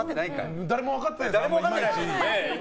誰も分かってないです、いまいち。